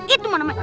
itu mana maik